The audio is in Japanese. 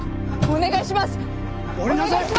お願いします大臣！